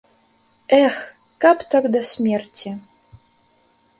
Эх, каб так да смерці!